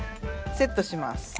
セットします。